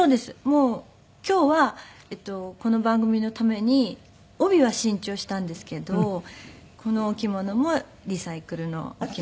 もう今日はこの番組のために帯は新調したんですけどこのお着物もリサイクルのお着物です。